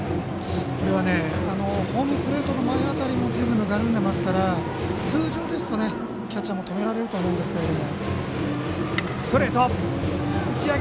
これはホームプレートの前辺りもずいぶんぬかるんでいますから通常ですとキャッチャーも止められると思いますけども。